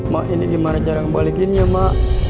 mak ini gimana jarang balikinnya mak